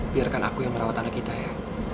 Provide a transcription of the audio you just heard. biarkan aku yang merawat anak kita ya